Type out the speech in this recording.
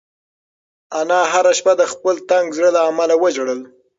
انا هره شپه د خپل تنګ زړه له امله وژړل.